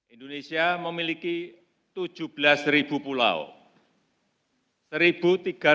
indonesia memiliki tujuh belas pulau